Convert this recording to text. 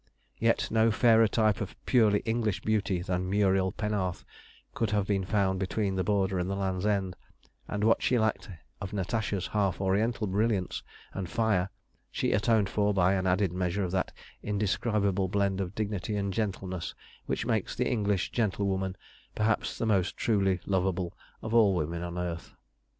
Yet no fairer type of purely English beauty than Muriel Penarth could have been found between the Border and the Land's End, and what she lacked of Natasha's half Oriental brilliance and fire she atoned for by an added measure of that indescribable blend of dignity and gentleness which makes the English gentlewoman perhaps the most truly lovable of all women on earth.